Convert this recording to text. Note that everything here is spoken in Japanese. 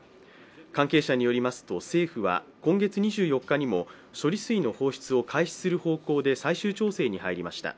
関係者によりますと政府は、今月２４日にも処理水の放出を開始する方向で最終調整に入りました。